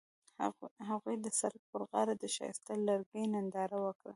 هغوی د سړک پر غاړه د ښایسته لرګی ننداره وکړه.